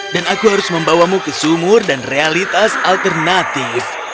dan aku harus membawamu ke sumur dan realitas alternatif